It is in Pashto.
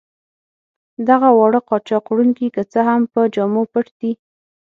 دغه واړه قاچاق وړونکي که څه هم په جامو پټ دي.